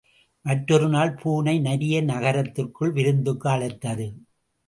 மற்றொருநாள் பூனை நரியை நகரத்திற்குள் விருந்துக்கு அழைத்தது.